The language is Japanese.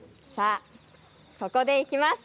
ここでいきます。